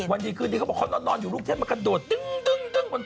วันดีคืนนี้เขาบอกเขาต้องนอนอยู่ลูกเทพมากระโดดตึงตึงบนเตียง